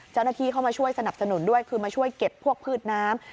เจ้าหน้าที่เข้ามาช่วยสนับสนุนด้วยคือมาช่วยเก็บพวกพืชน้ำ